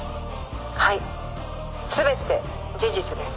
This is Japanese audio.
「はい全て事実です」